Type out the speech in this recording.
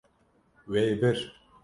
Wê bir.